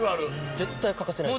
絶対欠かせないです。